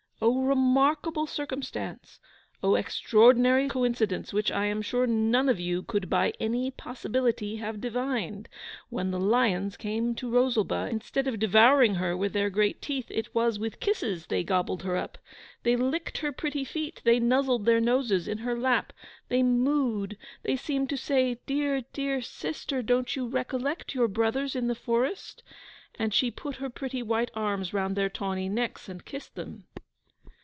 O remarkable circumstance! O extraordinary coincidence, which I am sure none of you could BY ANY POSSIBILITY have divined! When the lions came to Rosalba, instead of devouring her with their great teeth, it was with kisses they gobbled her up! They licked her pretty feet, they nuzzled their noses in her lap, they moo'd, they seemed to say, 'Dear, dear sister don't you recollect your brothers in the forest?' And she put her pretty white arms round their tawny necks, and kissed them.